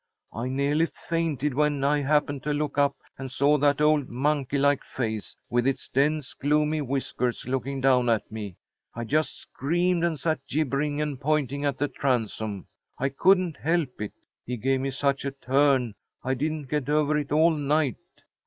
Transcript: I nearly fainted when I happened to look up and saw that old monkey like face, with its dense, gloomy whiskers, looking down at me. I just screamed and sat jibbering and pointing at the transom. I couldn't help it. He gave me such a turn, I didn't get over it all night.